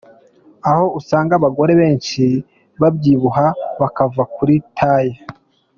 Aho usanga abagore benshi babyibuha bakava kuri taille,.